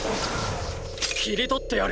切り取ってやる。